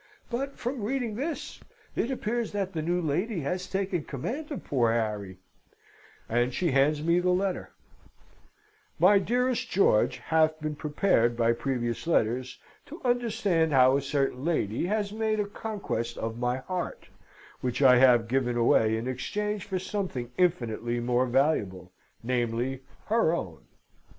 But, from reading this, it appears that the new lady has taken command of poor Harry," and she hands me the letter: "My dearest George hath been prepared by previous letters to understand how a certain lady has made a conquest of my heart, which I have given away in exchange for something infinitely more valuable, namely, her own.